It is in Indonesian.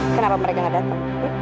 kenapa mereka gak datang